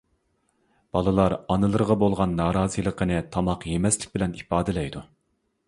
بالىلار ئانىلىرىغا بولغان نارازىلىقنى تاماق يېمەسلىك بىلەن ئىپادىلەيدۇ.